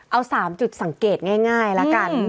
เอา๓จุดสังเกตง่ายแล้วกัน